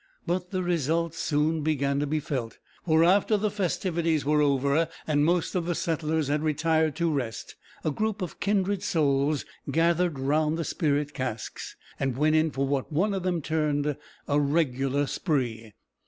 But the result soon began to be felt, for after the festivities were over, and most of the settlers had retired to rest, a group of kindred souls gathered round the spirit casks, and went in for what one of them termed a "regular spree."